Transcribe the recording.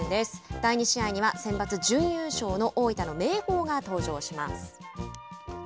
第２試合にはセンバツ準優勝の大分の明豊が登場します。